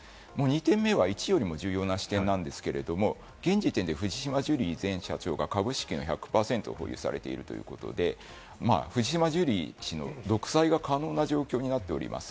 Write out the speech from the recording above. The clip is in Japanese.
２点目は１より重要な視点なんですけれども、現時点で藤島ジュリー前社長が株式の１００％を保有されているということで、藤島ジュリー氏の独裁が変わらない状況になっております。